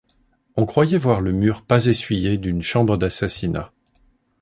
On croyait voir le mur pas essuyé d’une chambre d’assassinat.